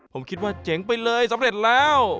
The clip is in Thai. ผมคิดว่าเจ๋งไปเลยสำเร็จแล้ว